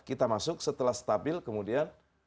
kita masuk setelah stabil kemudian